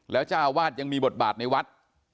แล้วเจ้าอาวาสยังมีบทบาทในวัด